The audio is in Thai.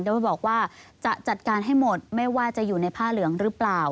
โดยบอกว่าจะจัดการให้หมดไม่ว่าจะอยู่ในผ้าเหลืองหรือเปล่า